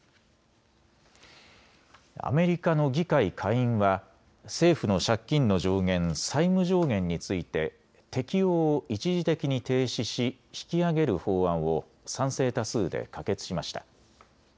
アメリカの議会下院は政府の借金の上限、債務上限について適用を一時的に停止し引き上げる法案を賛成多数で可決しました。